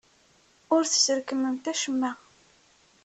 Ur tesrekmemt acemma.